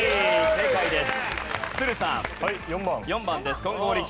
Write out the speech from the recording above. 正解です。